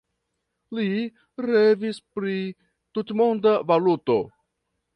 Li revis pri tutmonda valuto.